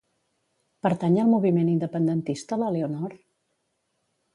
Pertany al moviment independentista la Leonor?